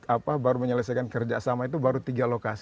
apa baru menyelesaikan kerja sama itu baru tiga lokasi